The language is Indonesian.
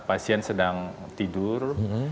pasien sedang tidur